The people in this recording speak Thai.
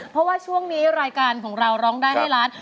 เพราะว่าช่วงนี้รายการของเราร้องได้ให้ล้าน